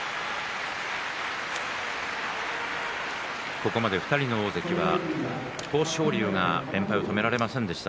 ここまで２人の大関は豊昇龍が連敗を止められませんでした。